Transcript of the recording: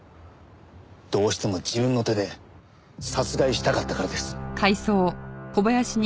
どうしても自分の手で殺害したかったからです。